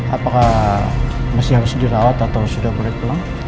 apakah masih harus dirawat atau sudah boleh pulang